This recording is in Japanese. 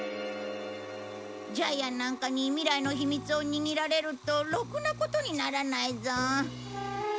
ジャイアンなんかに未来の秘密を握られるとろくなことにならないぞ。